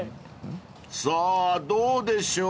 ［さぁどうでしょう？］